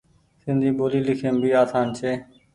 سندي ٻولي لکيم ڀي آسان ڇي۔